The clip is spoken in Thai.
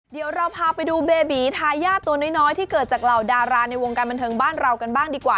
เดี๋ยวเราพาไปดูเบบีทายาทตัวน้อยที่เกิดจากเหล่าดาราในวงการบันเทิงบ้านเรากันบ้างดีกว่า